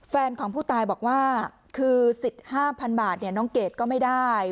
แฟนของผู้ตายบอกว่าคือ๑๕๐๐๐บาทเนี่ยน้องเกดก็ไม่ได้